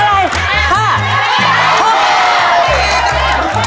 เท่าไรลูก